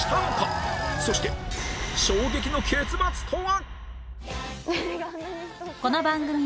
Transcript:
そして衝撃の結末とは？